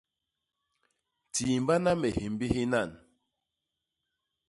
Tiimbana me hyémbi hi nan.